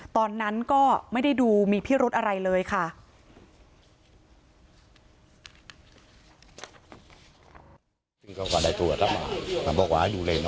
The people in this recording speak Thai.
ตอนนั้นก็ไม่ได้ดูมีพิรุธอะไรเลยค่ะ